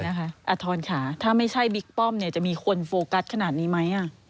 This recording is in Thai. อาทรค่ะถ้าไม่ใช่บิ๊กป้อมจะมีคนโฟกัสขนาดนี้ไหม